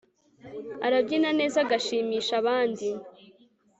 arabyina neza agashimisha abandi